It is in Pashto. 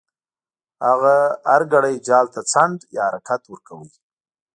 هغه هر ګړی جال ته څنډ یا حرکت ورکاوه.